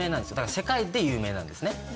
世界で有名なんですね。